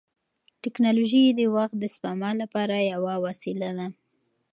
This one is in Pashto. ټیکنالوژي د وخت د سپما لپاره یوه وسیله ده.